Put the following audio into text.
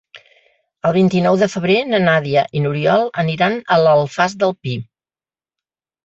El vint-i-nou de febrer na Nàdia i n'Oriol aniran a l'Alfàs del Pi.